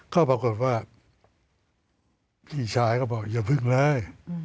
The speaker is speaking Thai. ก็ปรากฏว่าพี่ชายก็บอกอย่าพึ่งเลย